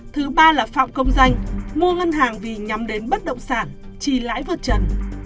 thứ ba là phạm công danh mua ngân hàng vì nhắm đến bất động sản trì lãi vượt trần